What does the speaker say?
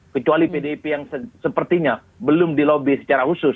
kecuali pdip yang sepertinya belum dilobby secara khusus